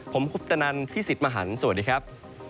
ผมคุปตนันพี่สิทธิ์มหันฯสวัสดีครับ